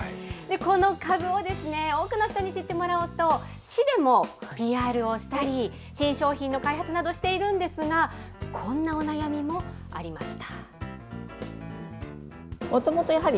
このかぶを多くの人に知ってもらおうと、市でもＰＲをしたり、新商品の開発などをしているんですが、こんなお悩みもありました。